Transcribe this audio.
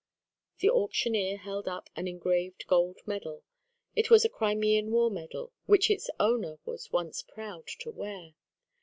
The auctioneer held up an engraved gold medal. It was a Crimean war medal which its owner was once proud to wear.